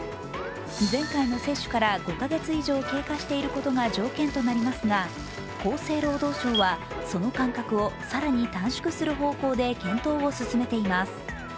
前回の接種から５か月以上経過していることが条件となりますが厚生労働省は、その間隔を更に短縮する方向で検討を進めています。